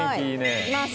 いきます